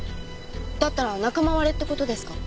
だったら仲間割れって事ですか？